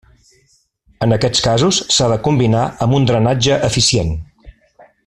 En aquests casos s'ha de combinar amb un drenatge eficient.